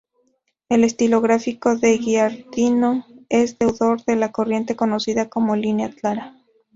El estilo gráfico de Giardino es deudor de la corriente conocida como "línea clara".